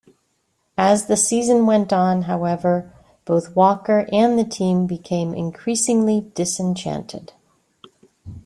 As the season went on, however, both Walker and the team became increasingly disenchanted.